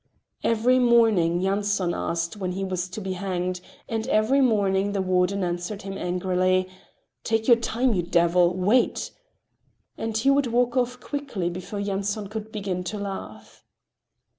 Every morning Yanson asked when he was to be hanged, and every morning the warden answered him angrily: "Take your time, you devil! Wait!" and he would walk off quickly before Yanson could begin to laugh.